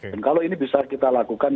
dan kalau ini bisa kita lakukan